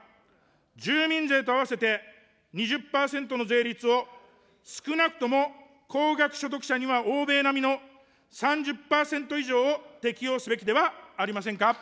住民税と合わせて、２０％の税率を少なくとも高額所得者には欧米並みの３０％以上を適用すべきではありませんか。